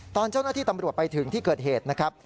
ตอนเจ้าหน้าที่ตำรวจไปถึงที่เกิดเหตุนะครับ